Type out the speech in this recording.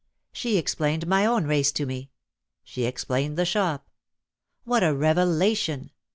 She explained my own race to me. She explained the shop. What a revelation